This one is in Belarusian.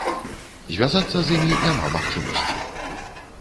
Звязацца з імі няма магчымасці.